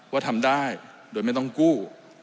ว่าทำได้โดยไม่ต้องกู้